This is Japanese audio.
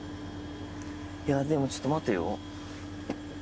いやでもちょっと待てよ。